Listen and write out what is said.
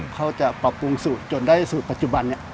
เขาจะปรับปรุงสูตรจนได้สูตรปัจจุบันนี้